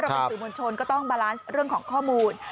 เป็นสื่อมวลชนก็ต้องบาลานซ์เรื่องของข้อมูล